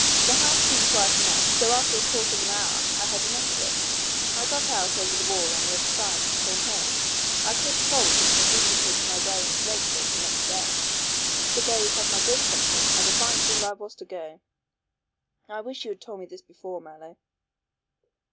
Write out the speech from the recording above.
The house seemed quiet enough, so after a quarter of an hour I had enough of it. I got out over the wall on the other side and came home. I caught a cold which necessitated my wearing a great coat the next day. So there you have my ghost hunting, and a fine fool I was to go." "I wish you had told me this before, Mallow."